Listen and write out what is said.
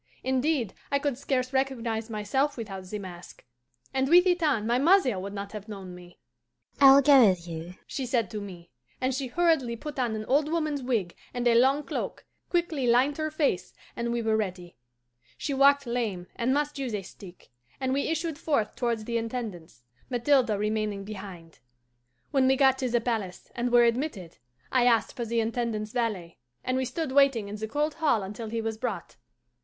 Indeed, I could scarce recognize myself without the mask, and with it on my mother would not have known me. 'I will go with you,' she said to me, and she hurriedly put on an old woman's wig and a long cloak, quickly lined her face, and we were ready. She walked lame, and must use a stick, and we issued forth towards the Intendance, Mathilde remaining behind. "When we got to the palace, and were admitted, I asked for the Intendant's valet, and we stood waiting in the cold hall until he was brought.